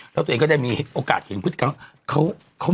แล้วตัวเองก็ได้มีโอกาสเห็นคุณทักษิตเขา